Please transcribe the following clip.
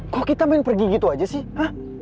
kok kita main pergi gitu aja sih ah